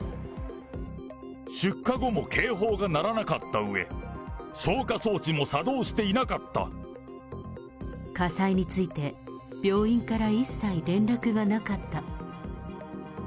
出火後も警報が鳴らなかったうえ、火災について、病院から一切連絡がなかった。